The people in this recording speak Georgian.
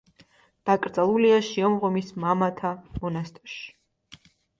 დაკრძალულია შიომღვიმის მამათა მონასტერში.